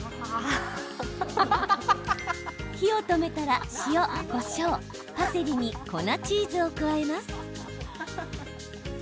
火を止めたら塩、こしょうパセリに粉チーズを加えます。